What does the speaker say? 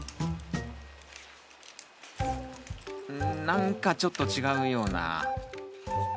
んなんかちょっと違うような。